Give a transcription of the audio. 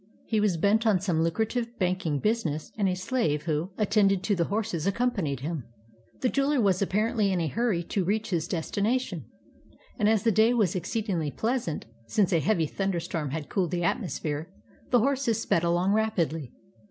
He was bent on some lucrative banking business, and a slave who at tended to the horses accompanied him. The jeweler was apparently in a hurry to reach his destination, and as the day was exceedingly pleasant, since a heavy thunderstorm had cooled the atmosphere, the horses sped along rapidly.